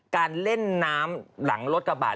การเล่นน้ำหลังรถกระบะ